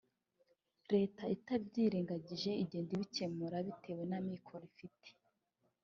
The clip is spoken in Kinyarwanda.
leta itabyirengagije igenda ibikemura bitewe n’amikoro ifite